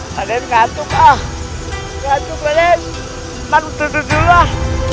paman ngantuk ah ngantuk paman paman duduk dulu ah